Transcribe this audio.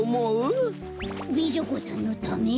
美女子さんのため？